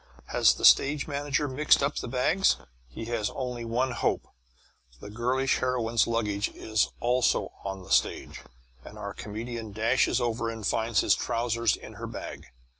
has the stage manager mixed up the bags? He has only one hope. The girlish heroine's luggage is also on the stage, and our comedian dashes over and finds his trousers in her bag.